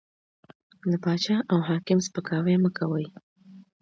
د باچا او حاکم سپکاوی مه کوئ!